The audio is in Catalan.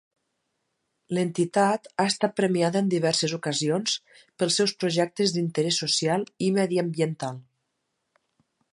L'entitat ha estat premiada en diverses ocasions pels seus projectes d'interès social i mediambiental.